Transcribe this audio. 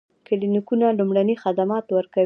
کلینیکونه لومړني خدمات ورکوي